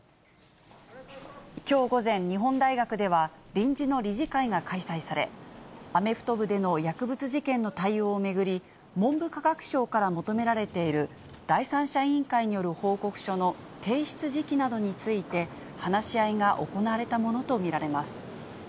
きょう午前、日本大学では、臨時の理事会が開催され、アメフト部での薬物事件の対応を巡り、文部科学省から求められている第三者委員会による報告書の提出時期などについて話し合いが行われたものと見られます。